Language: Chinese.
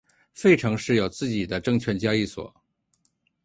费城市有自己的证券交易所。